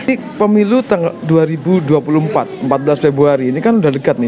jadi pemilu tanggal dua ribu dua puluh empat empat belas februari ini kan udah dekat nih